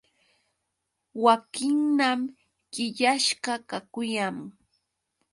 Wakhinam qillasqa kakuyan.